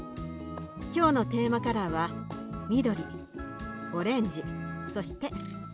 今日のテーマカラーは緑オレンジそして紫。